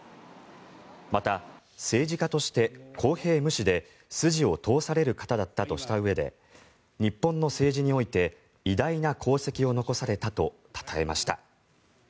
また、政治家として公平無私で筋を通される方だったとしたうえで日本の政治において偉大な功績を残されたとたたえました。